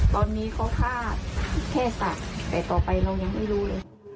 ตอนนี้เขาฆ่าแค่สัตว์แต่ต่อไปเรายังไม่รู้เลย